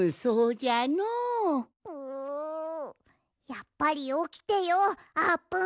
やっぱりおきてようあーぷん。